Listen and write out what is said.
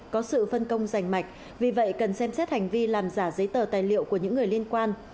có sự phân công rành mạch vì vậy cần xem xét hành vi làm giả giấy tờ tài liệu của những người liên quan